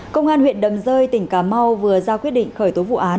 công an huyện đầm rơi tỉnh cà mau vừa ra quyết định khởi tố vụ án